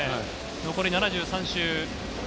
残り７３周。